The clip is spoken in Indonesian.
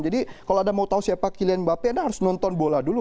jadi kalau anda mau tahu siapa kylian mbappe anda harus nonton bola dulu